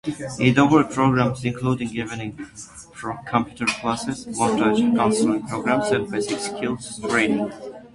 It offered programs including evening computer classes, mortgage counseling programs and basic skills training.